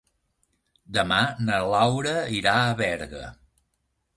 Demà na Laura irà a Berga.